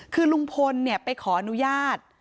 คือลุงพลเนี่ยไปขออนุญาต